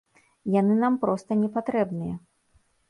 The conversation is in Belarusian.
Яны нам проста не патрэбныя.